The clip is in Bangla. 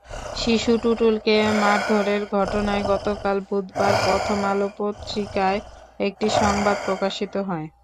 শিশু টুটুলকে মারধরের ঘটনায় গতকাল বুধবার প্রথম আলো পত্রিকায় একটি সংবাদ প্রকাশিত হয়।